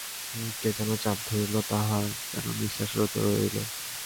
কে যেন চাপিয়া ধরিল, তাঁহার যেন নিশ্বাস রোধ করিল।